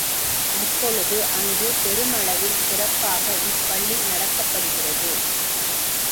இப்பொழுது அங்குப் பெரும் அளவில் சிறப்பாக இப் பள்ளி நடத்தப்படுகிறது.